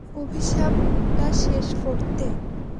অভিশাপ টা শেষ করতে?